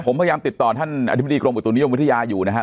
ผมพยายามติดต่อท่านอธิบดีกรมอุตุนิยมวิทยาอยู่นะฮะ